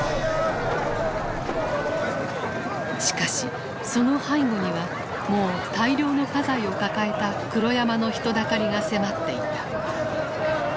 しかしその背後にはもう大量の家財を抱えた黒山の人だかりが迫っていた。